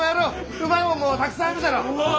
うまいもんもたくさんあるじゃろう！